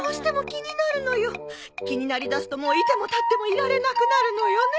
気になりだすともういても立ってもいられなくなるのよね。